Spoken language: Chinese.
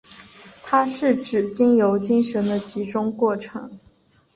它是指经由精神的集中过程。